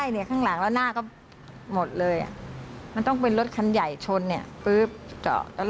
หน้าก็หมดเลยมันต้องเป็นรถคันใหญ่ชนเนี่ยปึ๊บเจาะแล้วลาก